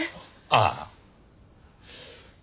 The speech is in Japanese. ああ。